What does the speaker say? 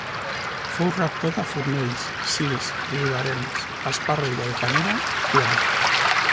Fou rector de Fornells, Sils, Riudarenes, l’Esparra i Vallcanera i Quart.